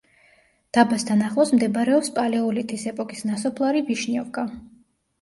დაბასთან ახლოს მდებარეობს პალეოლითის ეპოქის ნასოფლარი ვიშნიოვკა.